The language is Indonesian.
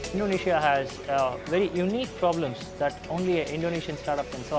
indonesia memiliki masalah unik yang hanya bisa ditangani oleh startup indonesia